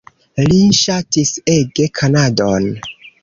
Li ŝatis ege Kanadon.